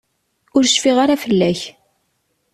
Ur cfiɣ ara fell-ak.